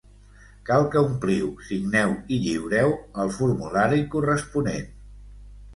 Cal que ompliu, signeu i lliureu el formulari corresponent.